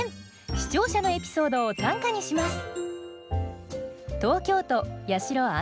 視聴者のエピソードを短歌にします。